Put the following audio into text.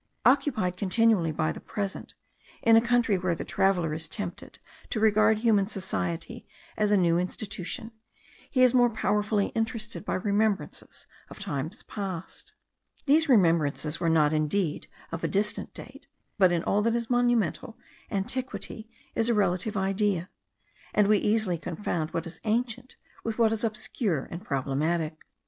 Occupied continually by the present, in a country where the traveller is tempted to regard human society as a new institution, he is more powerfully interested by remembrances of times past. These remembrances were not indeed of a distant date; but in all that is monumental antiquity is a relative idea, and we easily confound what is ancient with what is obscure and problematic.